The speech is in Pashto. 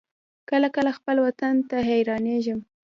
کله کله خپل وطن ته حيرانېږم.